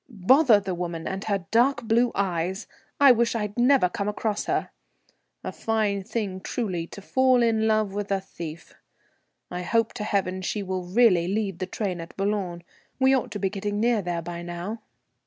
"Bother the woman and her dark blue eyes. I wish I'd never come across her. A fine thing, truly, to fall in love with a thief. I hope to heaven she will really leave the train at Boulogne; we ought to be getting near there by now."